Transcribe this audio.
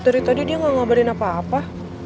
dari tadi dia gak ngawalin apa apa